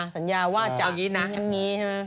สัญญาว่าจะอย่างนี้นะ